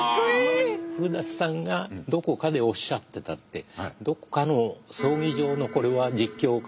古さんがどこかでおっしゃってたってどこかの葬儀場のこれは実況か？